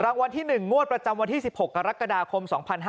รางวัลที่๑งวดประจำวันที่๑๖กรกฎาคม๒๕๕๙